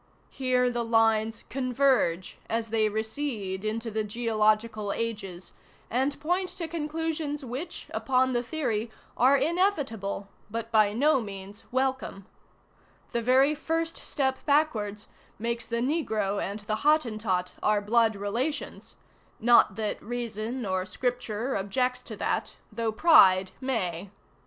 Here the lines converge as they recede into the geological ages, and point to conclusions which, upon the theory, are inevitable, but by no means welcome. The very first step backwards makes the Negro and the Hottentot our blood relations; ŌĆö not that reason or Scripture objects to that, though pride may.